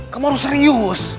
kamu harus serius